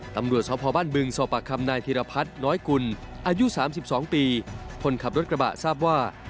ตำรวจสพบ้านบึงสอบปากคำนายธิรพัฒน์น้อยกุลอายุ๓๒ปีคนขับรถกระบะทราบว่า